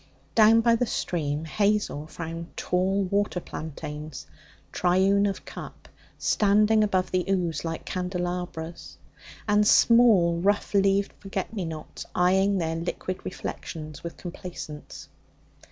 Down by the stream Hazel found tall water plantains, triune of cup, standing above the ooze like candelabras, and small rough leaved forget me nots eyeing their liquid reflections with complaisance.